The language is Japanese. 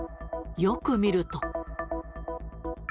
よく見ると。